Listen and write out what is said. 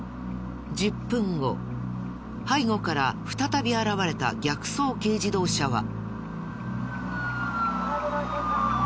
背後から再び現れた逆走軽自動車は。